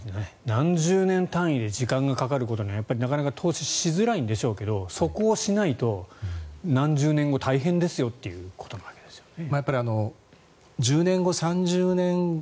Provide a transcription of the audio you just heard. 何十年単位で時間がかかることにはやっぱりなかなか投資しづらいんでしょうけどそこをしないと何十年後、大変ですよということなわけですよね。